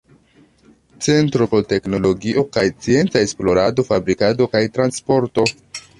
Centro por teknologio kaj scienca esplorado, fabrikado kaj transporto.